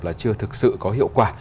là chưa thực sự có hiệu quả